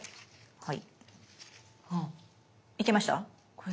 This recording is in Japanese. はい。